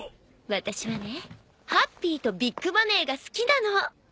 私はねハッピーとビッグマネーが好きなの。